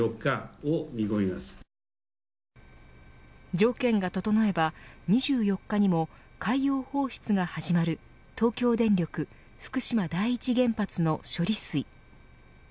条件が整えば２４日にも海洋放出が始まる東京電力・福島第一原発の処理水。